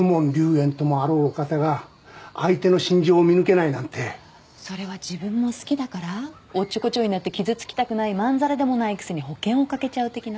炎ともあろうお方が相手の心情を見抜けないなんてそれは自分も好きだからおっちょこちょいになって傷つきたくないまんざらでもないくせに保険をかけちゃう的な？